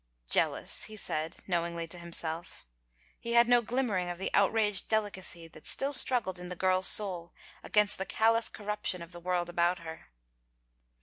"Jealous," he said knowingly to himself. He had no glimmering of the outraged deli cacy that still struggled in the girl's soul against the callous corruption of the world about her.